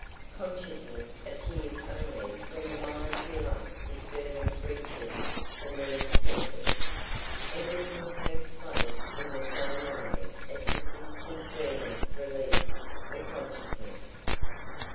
Consciousness appears only when the molecular disturbance reaches the nerve centres; everything takes place in the same way as if this disturbance released the consciousness.